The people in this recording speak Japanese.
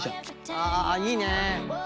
あいいね。